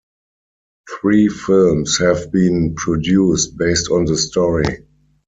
Three films have been produced based on the story.